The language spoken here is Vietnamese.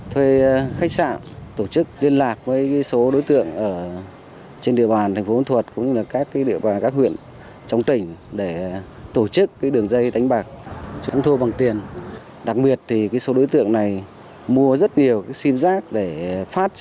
thuê khách sạn tổ chức liên lạc với số đối tượng ở trên địa bàn thành phố vân thuật các địa bàn các huyện trong tỉnh để tổ chức đường dây đánh bạc thua bằng tiền